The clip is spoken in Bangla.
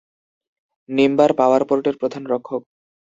নিমবার পাওয়ার পোর্টের প্রধান রক্ষক।